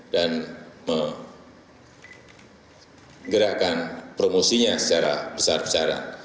dan menggerakkan promosinya secara besar besaran